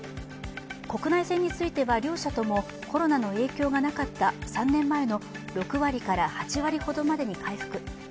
国内線については両社ともコロナの影響がなかった３年前の６割から８割ほどまでに回復。